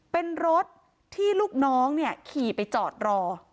เป็นรถที่ลูกน้องเนี่ยขี่ไปจอดรอ